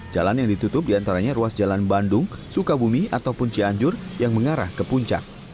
jalan yang ditutup diantaranya ruas jalan bandung sukabumi ataupun cianjur yang mengarah ke puncak